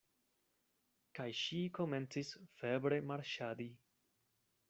Kaj ŝi komencis febre marŝadi.